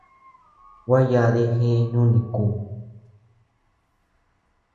Gua yadi jiʼi nuni kú.